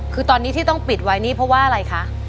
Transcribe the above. คือตอนนี้ที่ต้องปิดไว้นี่เพราะว่าอะไรคะ